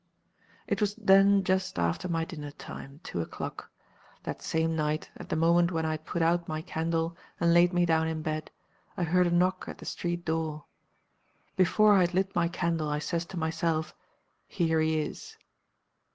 "It was then just after my dinner time two o'clock. That same night, at the moment when I had put out my candle, and laid me down in bed, I heard a knock at the street door. Before I had lit my candle I says to myself, 'Here he is.